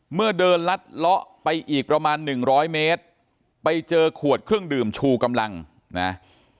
เมื่อเดินลัดเลาะไปอีกประมาณหนึ่งร้อยเมตรไปเจอขวดเครื่องดื่มชูกำลังนะ